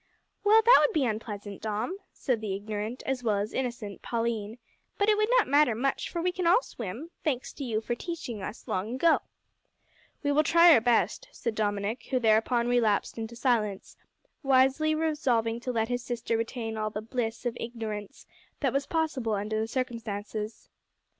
"Well, that would be unpleasant, Dom," said the ignorant, as well as innocent, Pauline, "but it would not matter much, for we can all swim thanks to you for insisting on teaching us long ago." "We will try our best," said Dominick, who thereupon relapsed into silence, wisely resolving to let his sister retain all the "bliss" of "ignorance" that was possible under the circumstances.